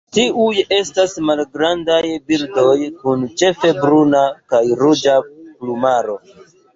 Tiuj estas malgrandaj birdoj kun ĉefe bruna kaj ruĝa plumaro.